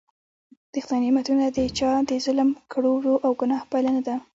د خدای نعمتونه د چا د ظلم کړو وړو او ګناه پایله نده.